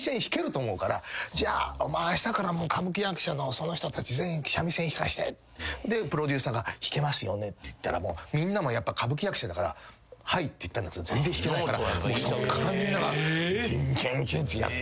「お前あしたから歌舞伎役者のその人たち全員三味線弾かして」でプロデューサーが「弾けますよね」って言ったらみんなもやっぱ歌舞伎役者だから「はい」って言ったんだけど全然弾けないからそっからみんながやって。